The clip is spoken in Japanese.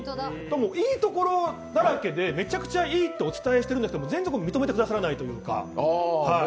いいところだらけで、めちゃくちゃいいとお伝えしてるんですけど全然認めてくださらないっていうか。